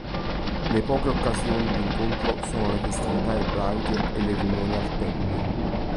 Le poche occasioni di incontro sono le festività ebraiche e le riunioni al Tempio.